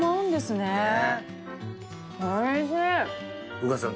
宇賀さん